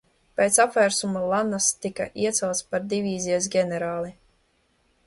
Pēc apvērsuma Lanns tika iecelts par divīzijas ģenerāli.